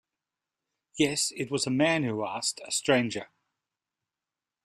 Yes, it was a man who asked, a stranger.